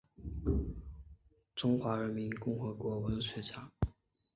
中华人民共和国文学家。